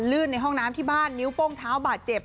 ลื่นในห้องน้ำที่บ้านนิ้วโป้งเท้าบาดเจ็บ